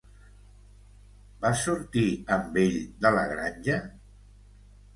Vas sortir amb ell de La granja?